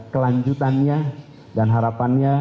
kelanjutannya dan harapannya